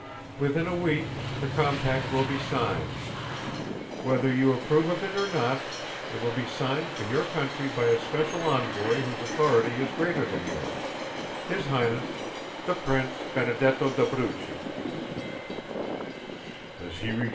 Within a week the compact will be signed. Whether you approve of it or not it will be signed for your country by a special envoy whose authority is greater than yours his Highness, the Prince Benedetto d'Abruzzi."